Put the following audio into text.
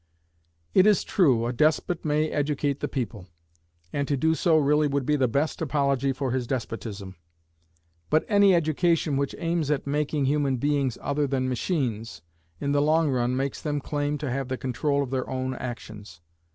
It is true, a despot may educate the people, and to do so really would be the best apology for his despotism. But any education which aims at making human beings other than machines, in the long run makes them claim to have the control of their own actions.